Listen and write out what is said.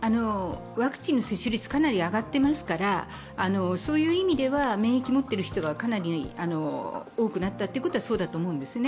ワクチンの接種率かなり上がっていますからそういう意味では、免疫持ってる人がかなり多くなったってことはそうだと思うんですね。